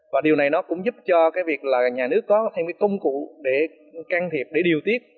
và điều này nó cũng giúp cho cái việc là nhà nước có thêm cái công cụ để can thiệp để điều tiết